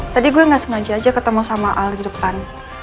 tadi gue gak sengaja aja ketemu sama al di depan